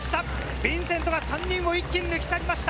ヴィンセントが３人を一気に抜き去りました！